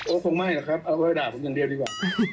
ก็คงไม่หรอกครับเอาไว้ด่าผมอย่างเดียวดีกว่า